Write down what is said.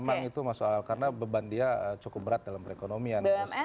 memang itu masuk karena beban dia cukup berat dalam perekonomian